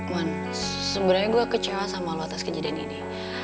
man sebenarnya saya kecewa sama anda atas kejadian ini